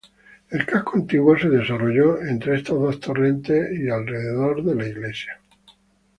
El casco antiguo se desarrolló entre estos dos torrentes y alrededor de la iglesia.